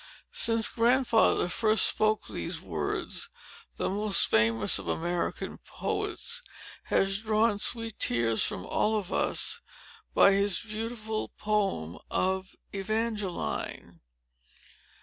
Since Grandfather first spoke these words, the most famous of American poets has drawn sweet tears from all of us, by his beautiful poem of Evangeline.